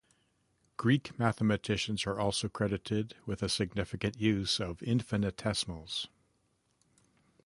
Greek mathematicians are also credited with a significant use of infinitesimals.